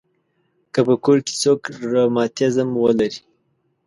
که په کور کې څوک رماتیزم ولري.